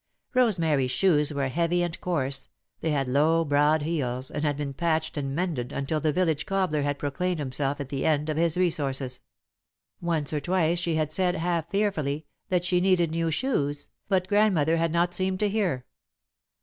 Rosemary's shoes were heavy and coarse, they had low, broad heels and had been patched and mended until the village cobbler had proclaimed himself at the end of his resources. Once or twice she had said, half fearfully, that she needed new shoes, but Grandmother had not seemed to hear.